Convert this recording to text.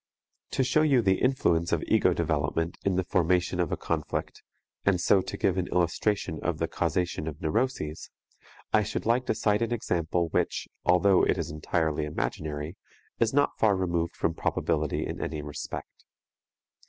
To show you the influence of ego development in the formation of a conflict, and so to give an illustration of the causation of neuroses, I should like to cite an example which, although it is entirely imaginary, is not far removed from probability in any respect.